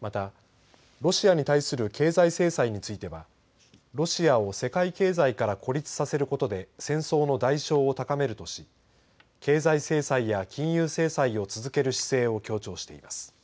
また、ロシアに対する経済制裁についてはロシアを世界経済から孤立させることで戦争の代償を高めるとし経済制裁や金融制裁を続ける姿勢を強調しています。